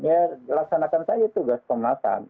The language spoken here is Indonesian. ya laksanakan saja tugas komnas ham